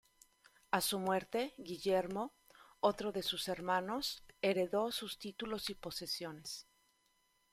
A su muerte, Guillermo, otro de sus hermanos, heredó sus títulos y posesiones.